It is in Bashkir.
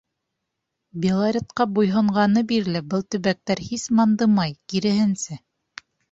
Белоретҡа буйһонғаны бирле был төбәктәр һис мандымай, киреһенсә...